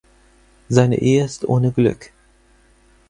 Seine Ehe ist ohne Glück.